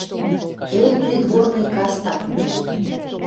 — Эй, придворный каста